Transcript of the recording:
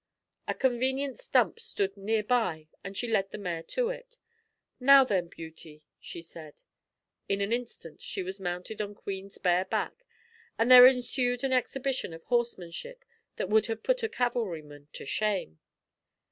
A convenient stump stood near by and she led the mare to it. "Now then, Beauty," she said. In an instant she was mounted on Queen's bare back, and there ensued an exhibition of horsemanship that would have put a cavalryman to shame.